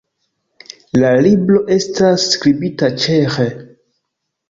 La libro estas skribita ĉeĥe.